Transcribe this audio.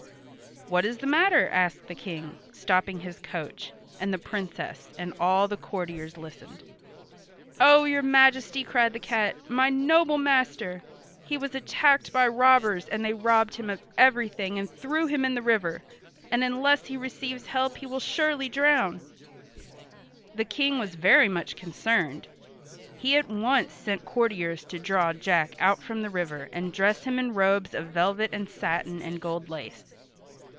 "What is the matter?" asked the King, stopping his coach, and the Princess and all the courtiers listened. "Oh, your Majesty!" cried the cat. "My noble master! He was attacked by robbers and they robbed him of everything and threw him in the river, and unless he receives help he will surely drown." The King was very much concerned. He at once sent courtiers to draw Jack out from the river and dress him in robes of velvet and satin and gold lace.